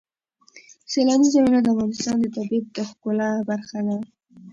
سیلاني ځایونه د افغانستان د طبیعت د ښکلا برخه ده.